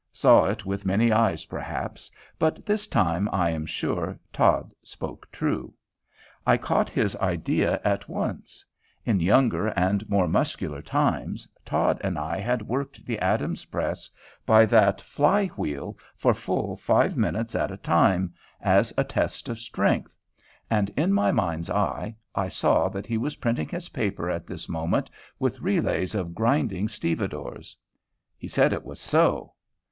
Saw it with many eyes, perhaps; but this time, I am sure, Todd spoke true. I caught his idea at once. In younger and more muscular times, Todd and I had worked the Adams press by that fly wheel for full five minutes at a time, as a test of strength; and in my mind's eye, I saw that he was printing his paper at this moment with relays of grinding stevedores. He said it was so.